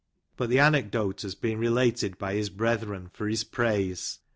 But the anecdote has been related by his brethren for his praise."